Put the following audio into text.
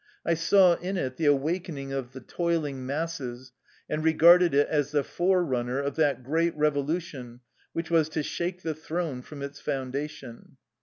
I saw in it the awakening of the toiling masses, and re garded it as the fore runner of that great revo lution which was to shake the throne from its foundation.